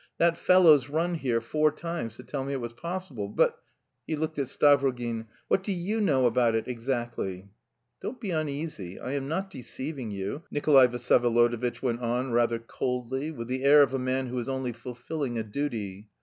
That fellow's run here four times to tell me it was possible... but" he looked at Stavrogin "what do you know about it, exactly?" "Don't be uneasy; I am not deceiving you," Nikolay Vsyevolodovitch went on, rather coldly, with the air of a man who is only fulfilling a duty.